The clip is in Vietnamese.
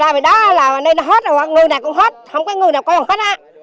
rồi đó là nơi đó hết rồi ngươi này cũng hết không có ngươi nào còn hết á